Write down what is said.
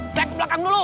sek belakang dulu